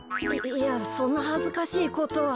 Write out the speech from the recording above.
いやそんなはずかしいことは。